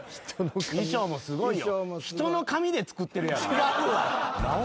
衣装もすごいよ。